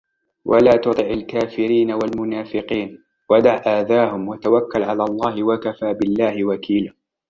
ولا تطع الكافرين والمنافقين ودع أذاهم وتوكل على الله وكفى بالله وكيلا